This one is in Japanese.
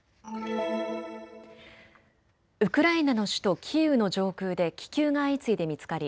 ウクライナの首都キーウの上空で気球が相次いで見つかり